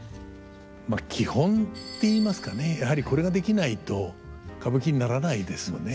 まあ基本ていいますかねやはりこれができないと歌舞伎にならないですよね。